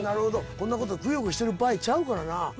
こんなことでくよくよしてる場合ちゃうからな。